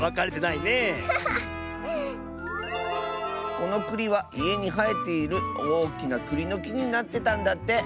このくりはいえにはえているおおきなくりのきになってたんだって。